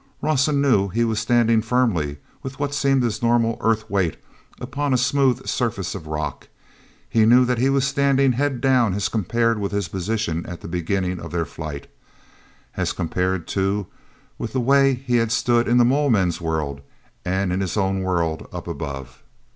Rawson knew he was standing firmly, with what seemed his normal earth weight, upon a smooth surface of rock; he knew that he was standing head down as compared with his position at the beginning of their flight—as compared, too, with the way he had stood in the mole men's world and in his own world up above.